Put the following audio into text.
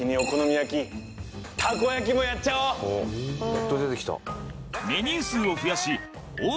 やっと出てきた。